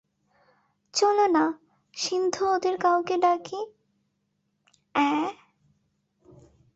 চলো না, সিন্ধু ওদের কাউকে ডাকি, অ্যাঁ?